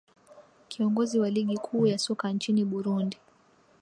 kiongozi wa ligi kuu ya soka nchini burundi